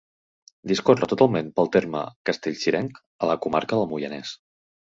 Discorre totalment pel terme castellcirenc, a la comarca del Moianès.